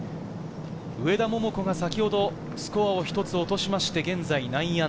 上田桃子が先ほどスコアを１つ落としまして、現在−９。